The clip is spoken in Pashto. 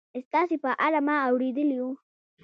ستاسې په اړه ما اورېدلي و